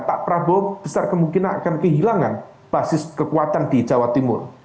pak prabowo besar kemungkinan akan kehilangan basis kekuatan di jawa timur